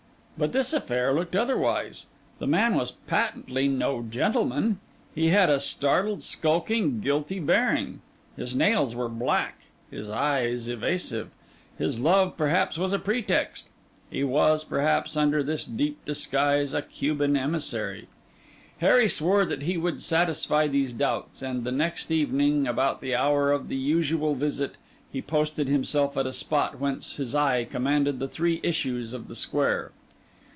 But this affair looked otherwise. The man was patently no gentleman; he had a startled, skulking, guilty bearing; his nails were black, his eyes evasive; his love perhaps was a pretext; he was perhaps, under this deep disguise, a Cuban emissary! Harry swore that he would satisfy these doubts; and the next evening, about the hour of the usual visit, he posted himself at a spot whence his eye commanded the three issues of the square.